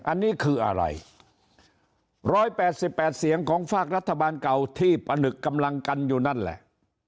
อันนี้คืออะไร๑๘๘เสียงของฝากรัฐบาลเก่าที่ประนึกกำลังกันอยู่นั่นแหละ